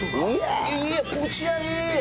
ぶち上げ！